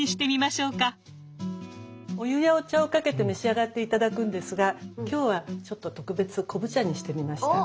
お湯やお茶をかけて召し上がって頂くんですが今日はちょっと特別昆布茶にしてみました。